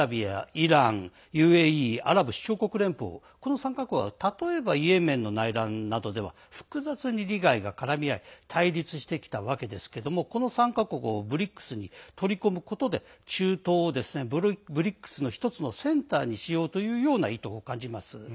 イランＵＡＥ＝アラブ首長国連邦この３か国は例えば、イエメンの内乱などでは複雑に利害が絡み合い対立してきたわけですけどもこの３か国をＢＲＩＣＳに取り込むことで中東をＢＲＩＣＳの１つのセンターにしようというような意図を感じます。